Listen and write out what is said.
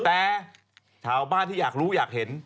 แต่ชาวบ้านที่อยากรู้อยากเห็น